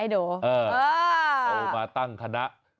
อ้าวมาตั้งคณะ